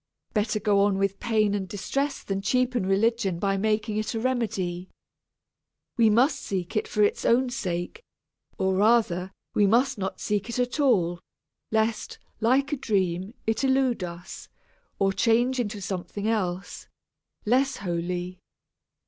Better go on with pain and distress than cheapen religion by making it a remedy. We must seek it for its own sake, or rather, we must not seek it at all, lest, like a dream, it elude us, or change into something else, less holy.